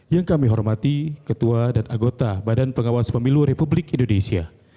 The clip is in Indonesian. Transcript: yang kami hormati ketua dan anggota badan pengawas pemilu republik indonesia